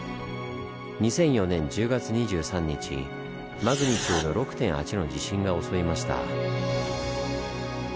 ２００４年１０月２３日マグニチュード６．８の地震が襲いました。